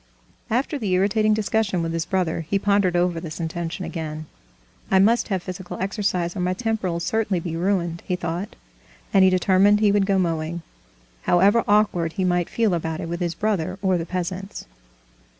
After the irritating discussion with his brother, he pondered over this intention again. "I must have physical exercise, or my temper'll certainly be ruined," he thought, and he determined he would go mowing, however awkward he might feel about it with his brother or the peasants.